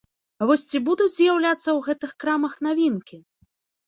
А вось ці будуць з'яўляцца ў гэтых крамах навінкі?